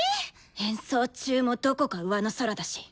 演奏中もどこかうわの空だし。